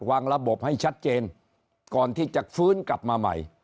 วางระบบให้ชัดเจนก่อนที่จะฟื้นกลับมาใหม่